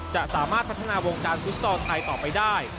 สามารถพัฒนาวงการฟุตซอลไทยต่อไปได้